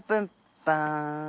バン！